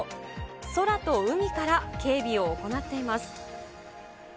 空と海から警備を行っています。